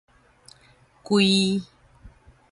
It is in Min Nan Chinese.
胿